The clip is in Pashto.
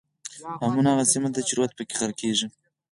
هامون هغه سیمه ده چې رود پکې غرقېږي.